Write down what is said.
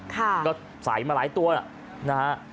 ค่ะก็สายมาหลายตัวนะฮะ